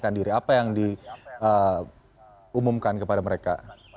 apa yang diumumkan kepada mereka